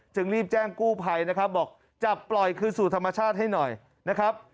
รีบแจ้งกู้ภัยนะครับบอกจับปล่อยคืนสู่ธรรมชาติให้หน่อยนะครับ